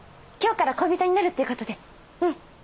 今日から恋人になるっていうことでうん。